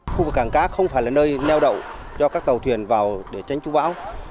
khu vực cảng cá không phải là nơi neo đậu cho các tàu thuyền vào để tránh chú bão